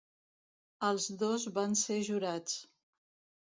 Els dos van ser jurats.